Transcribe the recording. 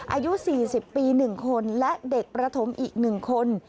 อายุ๔๐ปี๑คนและเด็กประถมอีก๑คน